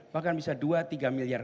bahkan bisa dua tiga miliar